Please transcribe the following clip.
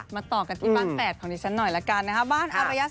มาต่อกันที่บ้านแศษของนี้ฉันหน่อยละกันนะคะบ้านอะไรศโคลค่ะ